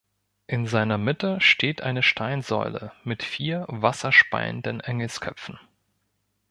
In seiner Mitte steht eine Steinsäule mit vier wasserspeienden Engelsköpfen.